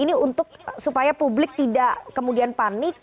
ini untuk supaya publik tidak kemudian panik